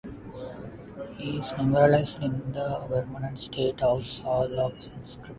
He is memorialized in the Vermont State House Hall of Inscriptions.